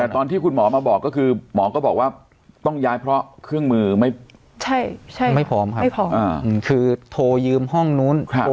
แต่ตอนที่คุณหมอมาบอกก็คือหมอก็บอกว่าต้องย้ายเพราะเครื่องมือไม่พร้อมครับไม่พร้อมคือโทรยืมห้องนู้น